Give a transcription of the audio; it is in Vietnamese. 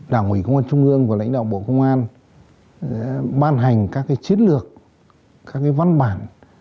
đảng ủy công an trung ương và lãnh đạo bộ công an ban hành các chiến lược các văn bản